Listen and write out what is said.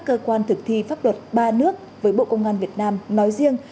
cơ quan thực thi pháp luật ba nước với bộ công an việt nam nói riêng